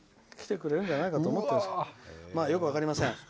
まあよく分かりません。